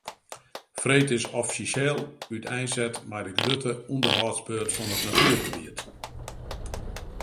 Freed is offisjeel úteinset mei de grutte ûnderhâldsbeurt fan it natuergebiet.